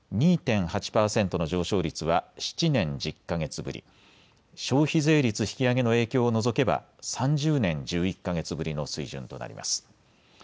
２．８％の上昇率は７年１０か月ぶり、消費税率引き上げの影響を除けば３０年１１か月ぶりの水準となります。